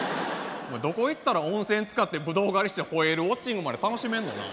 どこ行ったら温泉つかってブドウ狩りしてホエールウォッチングまで楽しめんねな。